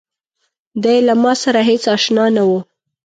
دی له ماسره هېڅ آشنا نه و.